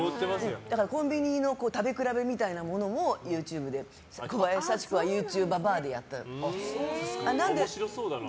だからコンビニの食べ比べみたいなものもＹｏｕＴｕｂｅで「小林幸子はＹｏｕＴｕＢＢＡ！！」でやった。